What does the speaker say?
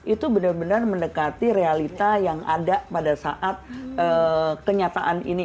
itu benar benar mendekati realita yang ada pada saat kenyataan ini